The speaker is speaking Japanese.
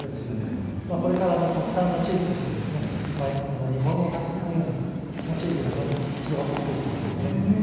これから国産のチーズとして日本のお酒に合うようなチーズがどんどん広がっていくといいなと思います。